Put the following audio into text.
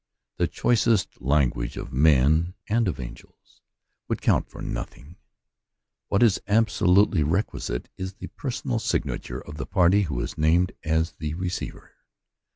The choicest language of men and of angels would count for nothing; what is absolutely requisite is the personal signature of the party who is named as the receiver.